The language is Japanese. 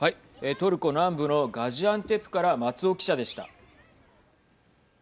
トルコ南部のガジアンテプから松尾記者でした。